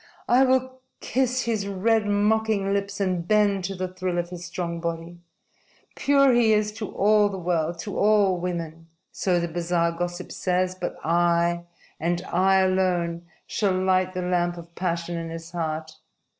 I will kiss his red, mocking lips and bend to the thrill of his strong body. Pure he is to all the world, to all women so the bazaar gossip says but I, and I alone, shall light the lamp of passion in his heart.